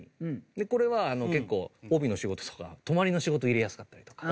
でこれは結構帯の仕事とか泊まりの仕事入れやすかったりとか。